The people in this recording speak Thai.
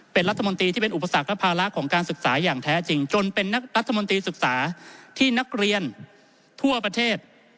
เป็นรัฐมนตรีที่เป็นอุปสรรคและภาระของการศึกษาอย่างแท้จริงจนเป็นรัฐมนตรีศึกษาที่นักเรียนทั่วประเทศ